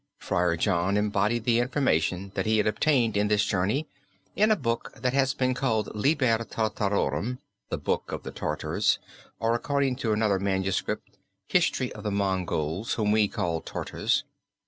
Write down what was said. Friar John embodied the information that he had obtained in this journey in a book that has been called Liber Tartarorum (the Book of the Tartars or according to another manuscript, History of the Mongols whom we call Tartars).